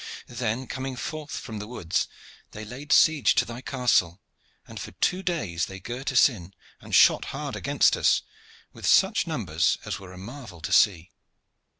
Then, coming forth from the woods, they laid siege to thy castle, and for two days they girt us in and shot hard against us, with such numbers as were a marvel to see.